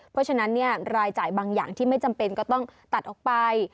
เพราะฉะนั้นรายจ่ายบางอย่างที่ไม่จำเป็นก็ต้องตัดออกไป